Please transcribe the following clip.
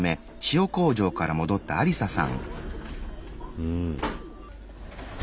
うん。